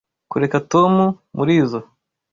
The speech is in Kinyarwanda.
Kureka Tom murizoi.